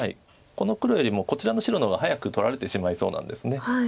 この黒よりもこちらの白の方が早く取られてしまいそうなんです。